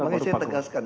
mungkin saya tegaskan